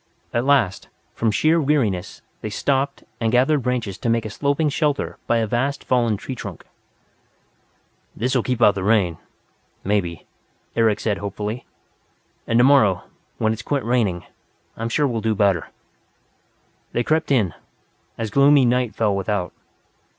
At last, from sheer weariness, they stopped, and gathered branches to make a sloping shelter by a vast fallen tree trunk. "This will keep out the rain maybe " Eric said hopefully. "And tomorrow, when it has quit raining I'm sure we'll do better." They crept in, as gloomy night fell without.